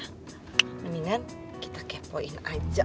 mendingan kita kepoin saja